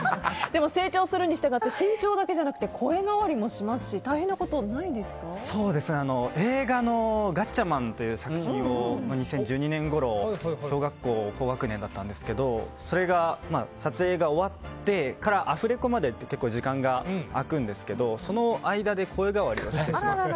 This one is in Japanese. でも、成長するにしたがって身長だけじゃなくて声変わりもしますし映画の「ガッチャマン」という作品を２０１２年ごろ小学校高学年だったんですけどそれが撮影が終わってからアフレコまで結構時間が空くんですけどその間で声変わりをしてしまって。